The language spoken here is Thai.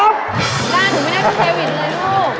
น่าจะไม่ได้เป็นเทวินเลยลูก